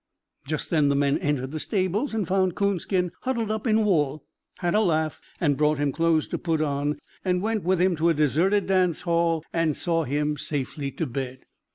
Just then the men entered the stables and finding Coonskin huddled up in wool, had a laugh, and brought him clothes to put on, and went with him to the deserted dance hall, and saw him safely to bed.